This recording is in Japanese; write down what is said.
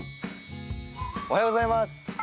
おはようございます。